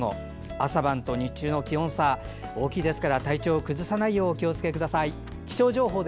朝晩と日中の気温差大きいですから体調を崩さないようお気をつけください。